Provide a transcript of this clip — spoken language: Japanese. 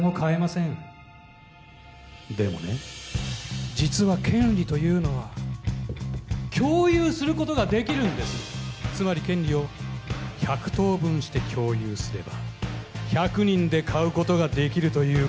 ね実は権利というのは共有することができるんですつまり権利を１００等分して共有すれば１００人で買うことができるという